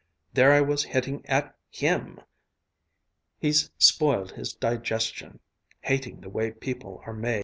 There I was hitting at him! He's spoiled his digestion, hating the way people are made.